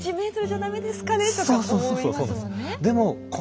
「１ｍじゃ駄目ですかね？」とか思いますもんね。